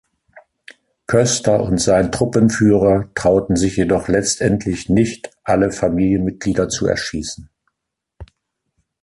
Köster und sein Truppenführer trauten sich jedoch letztendlich nicht alle Familienmitglieder zu erschießen.